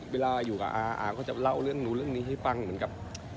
เวลาอยู่กับอาก็จะเล่าเรื่องนู้นเรื่องนี้ให้ฟังเหมือนกับ